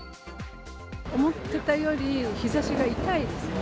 思ってたより日ざしが痛いですよね。